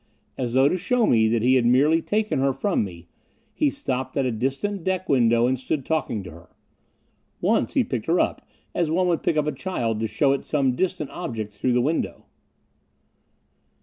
As though to show me that he had merely taken her from me, he stopped at a distant deck window and stood talking to her. Once he picked her up as one would pick up a child to show it some distant object through the window.